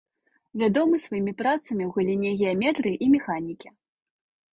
Вядомы сваімі працамі ў галіне геаметрыі і механікі.